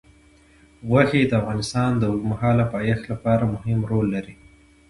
غوښې د افغانستان د اوږدمهاله پایښت لپاره مهم رول لري.